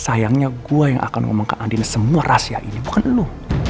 sayangnya gue yang akan ngomong ke andin semua rahasia ini bukan lo